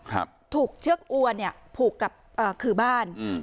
ถูกเชือกอัวเนี้ยผูกกับเอ่อขือบ้านอืม